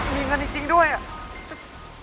มีเงินจริงด้วยอ่ะ